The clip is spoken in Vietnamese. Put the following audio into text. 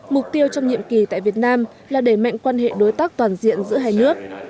mục tiêu trong nhiệm kỳ tại việt nam là đẩy mạnh quan hệ đối tác toàn diện giữa hai nước